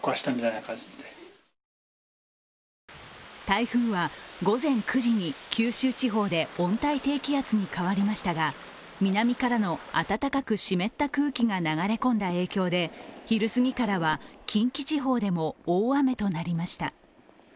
台風は午前９時に九州地方で温帯低気圧に変わりましたが南からの暖かく湿った空気が流れ込んだ影響で昼過ぎからは近畿地方でも大雨となりました。